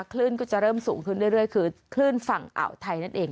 คลื่นก็จะเริ่มสูงขึ้นเรื่อยคือคลื่นฝั่งอ่าวไทยนั่นเอง